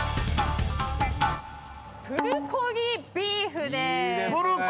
プルコギビーフです。